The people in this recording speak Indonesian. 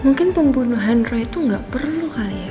mungkin pembunuh hendra itu nggak perlu kali ya